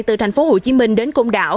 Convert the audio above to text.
từ thành phố hồ chí minh đến côn đảo